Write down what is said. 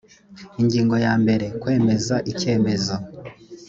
ingingo ya mbere: kwemeza icyemezo